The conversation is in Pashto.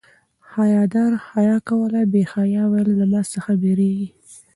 حیا دار حیا کوله بې حیا ویل زما څخه بيریږي